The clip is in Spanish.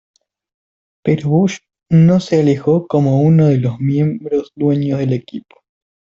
Pero Bush no se alejó como uno de los miembros dueños del equipo.